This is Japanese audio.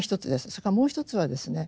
それからもう一つはですね